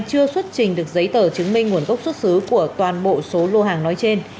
chưa xuất trình được giấy tờ chứng minh nguồn gốc xuất xứ của toàn bộ số lô hàng nói trên